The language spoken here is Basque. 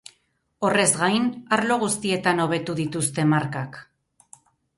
Horrez gain, arlo guztietan hobetu dituzte markak.